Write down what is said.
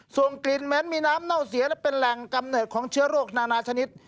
ส่วนกลิ่นเหม็นมีน้ำเน่าเสียและเป็นแหล่งกำเนิดของเชื้อโรคนานาชนิด